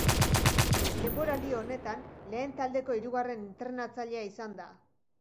Denboraldi honetan lehen taldeko hirugarren entrenatzailea izan da.